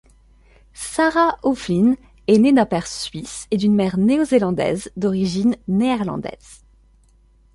Sarah Höfflin est née d'un père suisse et d'une mère néo-zélandaise d'origine néerlandaise.